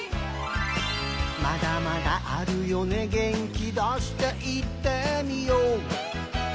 「まだまだあるよね元気出して言ってみよう」